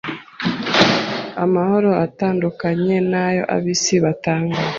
amahoro atandukanye n’ayo ab’isi batanga